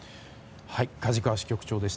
梶川支局長でした。